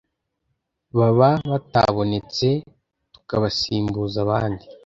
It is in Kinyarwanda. baba batabonetse tukabasimbuza abandi